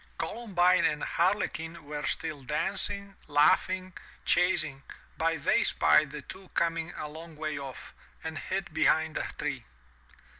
Columbine and Harlequin were still dancing, laughing, chas ing, but they spied the two coming a long way off, and hid behind a tree.